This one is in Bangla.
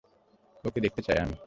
ওকে দেখতে চাই আমি।